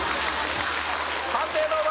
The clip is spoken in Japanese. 判定どうぞ！